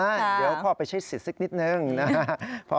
เดี๋ยวพ่อไปใช้สิทธิ์สักนิดนึงนะครับ